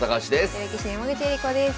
女流棋士の山口恵梨子です。